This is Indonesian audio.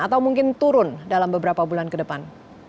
atau mungkin turun dalam beberapa bulan ke depan